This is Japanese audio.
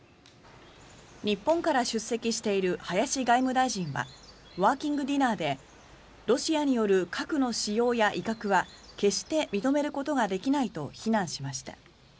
日本から出席している林外務大臣はワーキングディナーでロシアによる核の使用や威嚇は決して認めることができないと非難しました。